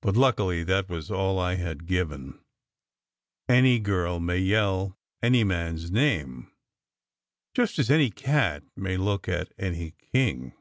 But luckily that was all I had given. 208 SECRET HISTORY Any girl may yell any man s name, just as any cat may look at any king.